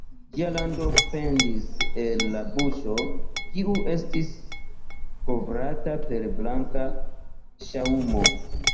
Ĝia lango pendis el la buŝo, kiu estis kovrata per blanka ŝaŭmo.